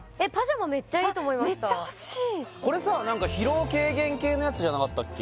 めっちゃ欲しいこれさ何か疲労軽減系のやつじゃなかったっけ？